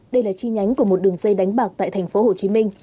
đây là chi nhánh của một đường dây đánh bạc tại thành phố hồ chí minh